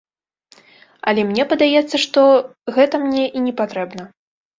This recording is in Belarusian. Але мне падаецца, што гэта мне і не патрэбна.